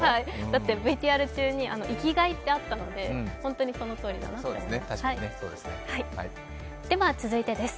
だってＶＴＲ中に、生きがいってあったので、本当にそのとおりだなと思います。